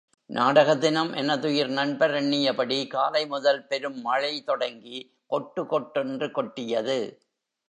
நாடக தினம் எனதுயிர் நண்பர் எண்ணியபடி காலை முதல் பெரும் மழை தொடங்கி, கொட்டு கொட்டென்று கொட்டியது.